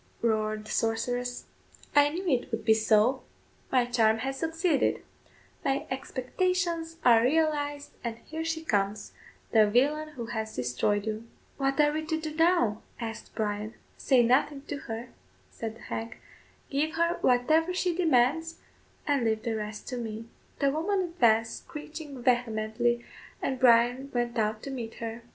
roared the sorceress, "I knew it would be so; my charm has succeeded; my expectations are realised, and here she comes, the villain who has destroyed you." "What are we to do now?" asked Bryan. "Say nothing to her," said the hag; "give her whatever she demands, and leave the rest to me." The woman advanced screeching vehemently, and Bryan went out to meet her.